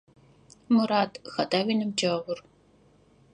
Мурат, хэта уиныбджэгъур?